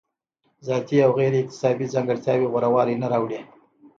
ذاتي او غیر اکتسابي ځانګړتیاوې غوره والی نه راوړي.